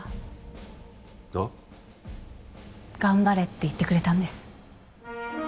「頑張れ」って言ってくれたんです